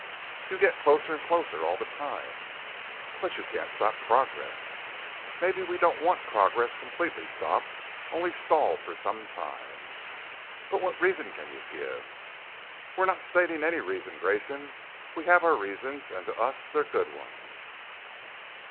"You get closer and closer all the time." "But you can't stop progress." "Maybe we don't want progress completely stopped. Only stalled for some time." "But what reason can you give " "We're not stating any reasons, Grayson. We have our reasons and to us they're good ones."